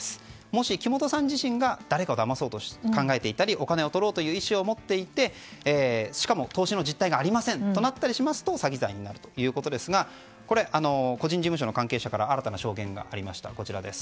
もし木本さん自身が誰かをだまそうと考えたりお金を取ろうという意思を持っていてしかも投資の実態がありませんとなると詐欺罪になるということですがこれについて個人事務所の関係者から新たな証言がありました。